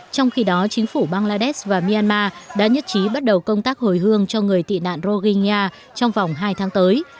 trong khi đó chính phủ bangladesh và myanmar đã nhất trí bắt đầu công tác hồi hương cho người tị nạn roginia trong vòng hai tháng tới